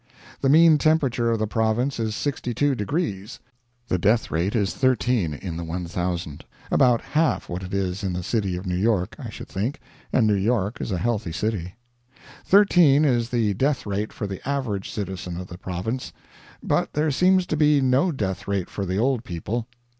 The mean temperature of the Province is 62 deg. The death rate is 13 in the 1,000 about half what it is in the city of New York, I should think, and New York is a healthy city. Thirteen is the death rate for the average citizen of the Province, but there seems to be no death rate for the old people.